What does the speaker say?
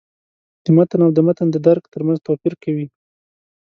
د «متن» او «د متن د درک» تر منځ توپیر کوي.